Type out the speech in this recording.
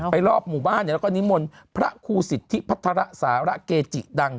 รอบหมู่บ้านแล้วก็นิมนต์พระครูสิทธิพัฒระสาระเกจิดัง